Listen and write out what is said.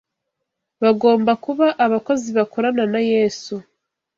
bagomba kuba abakozi bakorana na Yesu